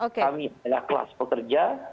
kami adalah kelas pekerja